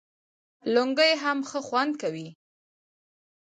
لنګۍ هم ښه خوند کوي